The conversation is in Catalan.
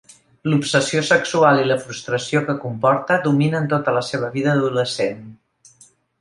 L'obsessió sexual, i la frustració que comporta, dominen tota la seva vida d'adolescent.